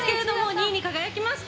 ２位に輝きました。